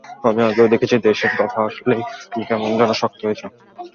আমি আগেও দেখেছি দেশের কথা আসলেই তুমি কেমন যেন শক্ত হয়ে যাও।